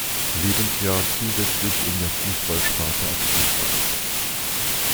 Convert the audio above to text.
Lebensjahr zusätzlich in der Fußballsparte aktiv war.